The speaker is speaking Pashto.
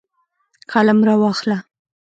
قلم راواخله